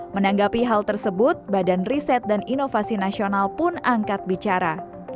menanggapi hal tersebut badan riset dan inovasi nasional pun angkat bicara